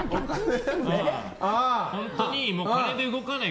本当に金で動かない。